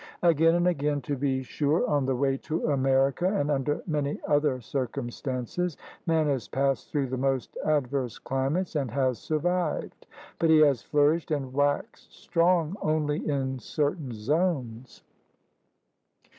Again and again, to be sure, on 10 THE RED MAN'S CONTINENT the way to America, and under many other cir cumstances, man has passed through the most adverse cHmates and has survived, but he has flourished and waxed strong only in certain zones.